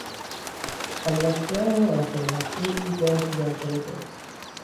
خلوتگاه آخر هفتهی او باغی در کرج است.